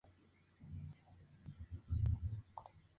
Todas ellas con o sin tomate triturado o en rodajas.